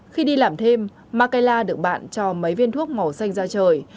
khi đi làm thêm makaila được bạn cho mấy viên thuốc màu xanh ra trời